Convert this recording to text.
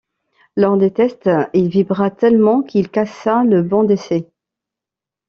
Lors des tests, il vibra tellement qu'il cassa le banc d'essai.